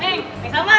hei bisa mbak